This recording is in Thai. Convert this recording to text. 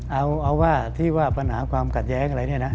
เอาว่าที่ว่าปัญหาความขัดแย้งอะไรเนี่ยนะ